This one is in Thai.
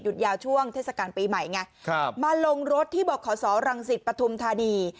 ยาวช่วงเทศกาลปีใหม่ไงมาลงรถที่บอกขอสอรังสิตปฐุมธานี